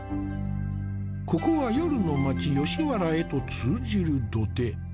ここは夜の町吉原へと通じる土手。